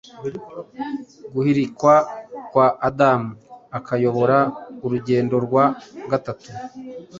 guhirikwa kwa Adamu, akayobora urugendo rwa gatatu